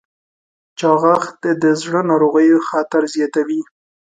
چاغښت د زړه ناروغیو خطر زیاتوي.